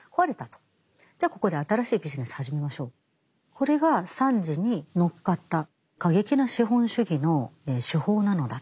これが惨事に乗っかった過激な資本主義の手法なのだと。